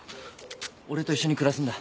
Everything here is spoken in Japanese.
俺と一緒に暮らすんだ。